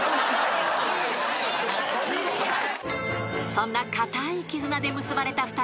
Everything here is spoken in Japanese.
［そんな固い絆で結ばれた２人］